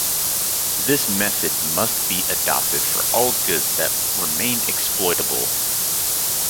This method must be adopted for all goods that remain exploitable...